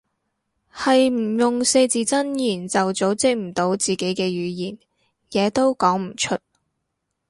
係唔用四字真言就組織唔到自己嘅語言，嘢都講唔出